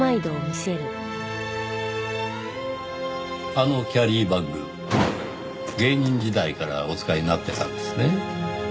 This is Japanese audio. あのキャリーバッグ芸人時代からお使いになってたんですね。